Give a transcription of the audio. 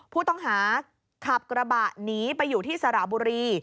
ผู้ต้องหาขับกระบะหนีไปอยู่ที่สระบุรี